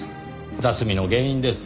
雑味の原因です。